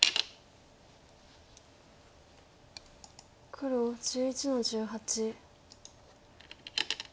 黒１１の十八。